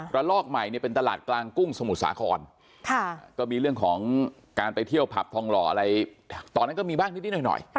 ลอกใหม่เนี่ยเป็นตลาดกลางกุ้งสมุทรสาครก็มีเรื่องของการไปเที่ยวผับทองหล่ออะไรตอนนั้นก็มีบ้างนิดหน่อย